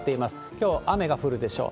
きょう雨が降るでしょう。